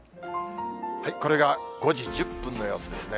これが５時１０分の様子ですね。